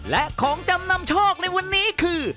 และของจำนำโชคในวันนี้คือ